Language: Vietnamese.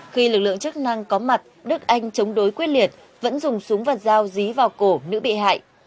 khi lực lượng chức năng có mặt đức anh chống đối quyết liệt vẫn dùng súng và dao dí vào cổ nữ bị hại